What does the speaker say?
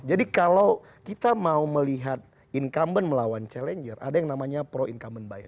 jadi kalau kita mau melihat incumbent melawan challenger ada yang namanya pro incumbent bias